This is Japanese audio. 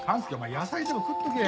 野菜でも食っとけや。